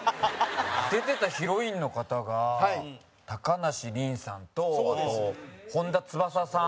出てたヒロインの方が高梨臨さんと、本田翼さん。